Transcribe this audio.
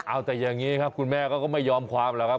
เอาแต่อย่างนี้ครับคุณแม่ก็ไม่ยอมความหรอกครับ